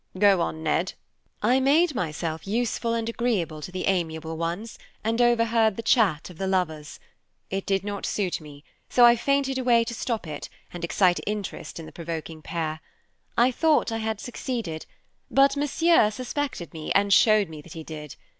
Go on, Ned." "I made myself useful and agreeable to the amiable ones, and overheard the chat of the lovers. It did not suit me, so I fainted away to stop it, and excite interest in the provoking pair. I thought I had succeeded, but Monsieur suspected me and showed me that he did.